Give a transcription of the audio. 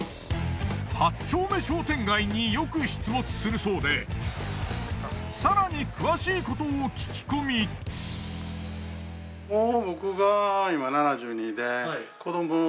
８丁目商店街によく出没するそうで更に詳しいことを川西さん。